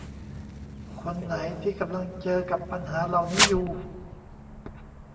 คนไหนที่กำลังเจอกับปัญหาเหล่านี้อยู่